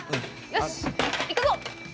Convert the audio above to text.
よし、いくぞ！